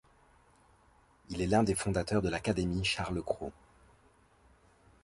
Il est l'un des fondateurs de l'Académie Charles-Cros.